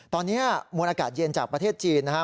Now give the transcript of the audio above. ตอนนี้มวลอากาศเย็นจากประเทศจีนนะครับ